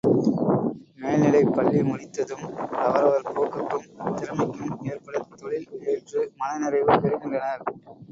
மேல்நிலைப் பள்ளி முடித்ததும் அவரவர் போக்குக்கும் திறமைக்கும் ஏற்படத் தொழில் ஏற்று மன நிறைவு பெறுகின்றனர்.